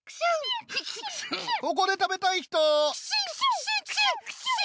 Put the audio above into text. ここで食べたい人？